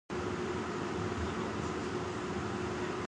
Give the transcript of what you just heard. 温かいです。